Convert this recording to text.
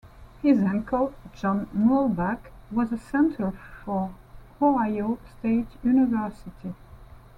His uncle, John Muhlbach, was a center for Ohio State University.